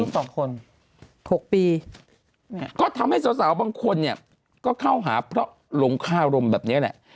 อยู่๒คน๖ปีก็ทำให้สาวบางคนเนี่ยก็เข้าหาเพราะหลงค่ารมแบบนี้แหละ